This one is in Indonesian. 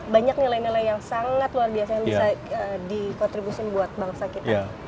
banyak nilai nilai yang sangat luar biasa yang bisa dikontribusi buat bangsa kita